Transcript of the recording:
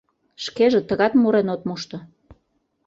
Шкеже тыгат мурен от мошто.